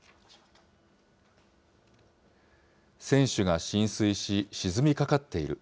船首が浸水し、沈みかかっている。